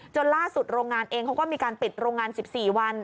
ล่าสุดโรงงานเองเขาก็มีการปิดโรงงาน๑๔วัน